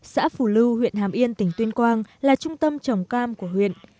xã phù lưu huyện hàm yên tỉnh tuyên quang là trung tâm trồng cam của huyện